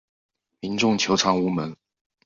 民众求偿无门